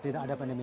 tidak ada pandemi